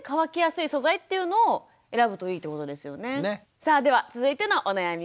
さあでは続いてのお悩み